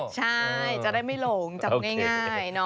ใช่จะได้ไม่หลงจำง่าย